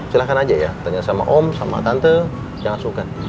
silahkan aja ya tanya sama om sama tante jangan suka